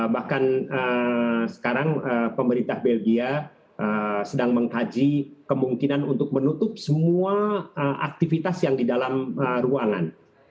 bahkan sekarang pemerintah belgia sedang mengkaji kemungkinan untuk menutup semua aktivitas yang di dalam ruangan